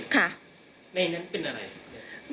สาดเสร็จเลยในนั้นเป็นอะไร